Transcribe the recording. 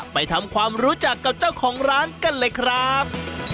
ไปทำความรู้จักกับเจ้าของร้านกันเลยครับ